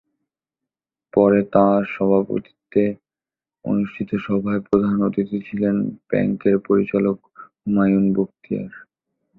পরে তাঁর সভাপতিত্বে অনুষ্ঠিত সভায় প্রধান অতিথি ছিলেন ব্যাংকের পরিচালক হুমায়ুন বখতিয়ার।